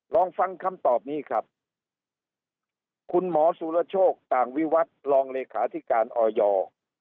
ลองฟังคำตอบนี้ครับคุณหมอสุรโชคต่างวิวัตรรองเลขาธิการออย